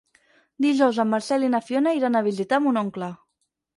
Dijous en Marcel i na Fiona iran a visitar mon oncle.